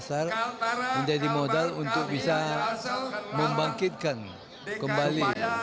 jadi dasar menjadi modal untuk bisa membangkitkan kembali